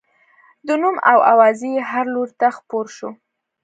د نوم او اوازې یې هر لوري ته خپور شو.